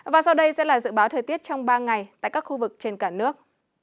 và sau đây sẽ là dự báo thời tiết trong ba ngày tại các khu vực trên cả nước